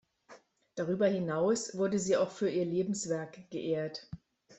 Darüber hinaus wurde sie auch für ihr Lebenswerk geehrt.